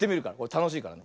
たのしいからね。